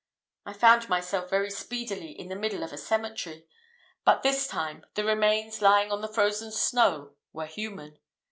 I found myself very speedily in the middle of a cemetery; but this time, the remains lying on the frozen snow were human.